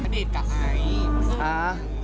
ณเดชน์กับไอซ์